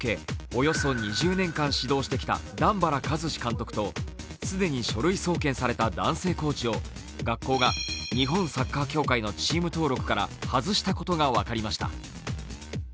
およそ２０年間指導してきた段原一詞監督と、既に書類送検された男性コーチを学校が日本サッカー協会のチーム登録から外したことが分かりました。